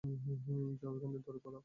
যাও এখন, দৌড়ে পালাও!